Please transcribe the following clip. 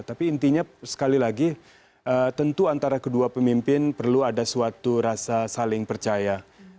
tapi intinya sekali lagi tentu antara kedua pemimpin perlu ada suatu rasa saling percaya